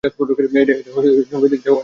এটা অতীত নিয়ে ভাবার সময় নয়।